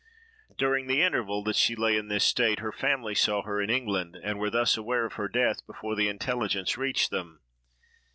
During the interval that she lay in this state, her family saw her in England, and were thus aware of her death before the intelligence reached them.